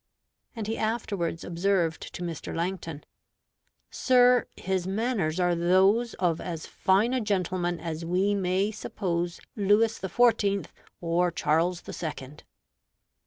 And he afterwards observed to Mr. Langton, "Sir, his manners are those of as fine a gentleman as we may suppose Lewis the Fourteenth or Charles the Second."